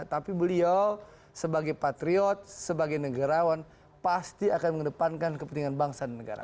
tapi beliau sebagai patriot sebagai negarawan pasti akan mengedepankan kepentingan bangsa dan negara